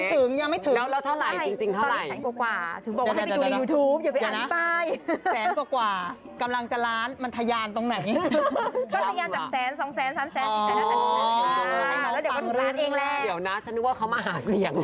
ซึ่งถ้าถามจริงว่า